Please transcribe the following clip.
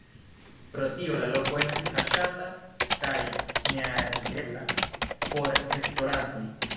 Pro tio la loko estis kaŝata kaj nealirebla por esplorantoj.